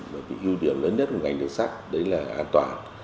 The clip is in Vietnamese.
bởi cái ưu điểm lớn nhất của ngành đường sắt đấy là an toàn